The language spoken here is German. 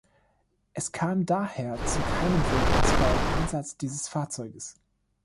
Es kam daher zu keinem wirkungsvollen Einsatz dieses Fahrzeuges.